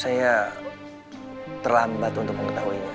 saya terlambat untuk mengetahuinya